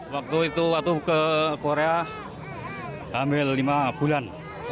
waktu itu waktu ke korea hamil lima bulan